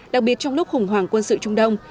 đặc biệt trong lúc khủng hoảng quân sự trung đông